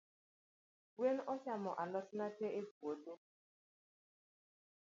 Gwen ochamo alotna tee epuodho.